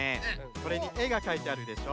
これにえがかいてあるでしょ。